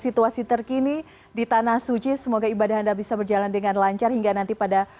situasi terkini di tanah suci semoga ibadah anda bisa berjalan dengan lancar hingga nanti pada